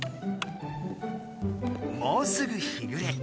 もうすぐ日ぐれ。